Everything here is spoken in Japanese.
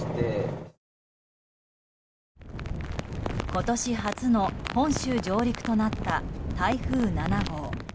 今年初の本州上陸となった台風７号。